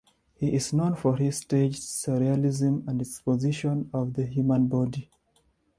He is known for his staged surrealism and exposition of the human body.